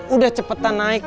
udah cepetan naik